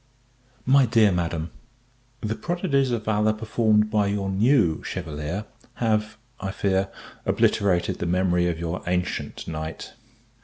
My Dear Madam, The prodigies of valour performed by your new Chevalier have, I fear, obliterated the memory of your ancient Knight.